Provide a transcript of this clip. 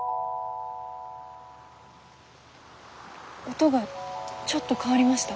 音がちょっと変わりました。